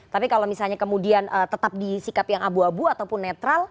tapi kalau misalnya kemudian tetap di sikap yang abu abu ataupun netral